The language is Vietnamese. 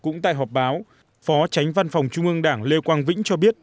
cũng tại họp báo phó tránh văn phòng trung ương đảng lê quang vĩnh cho biết